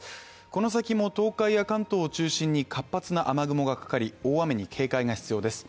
この先も東海や関東を中心に活発な雨雲がかかり大雨に警戒が必要です。